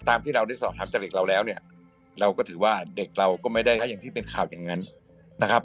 ตามที่เราได้สอบถามจากเด็กเราแล้วเนี่ยเราก็ถือว่าเด็กเราก็ไม่ได้ให้อย่างที่เป็นข่าวอย่างนั้นนะครับ